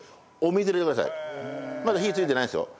まだ火ついてないですよ。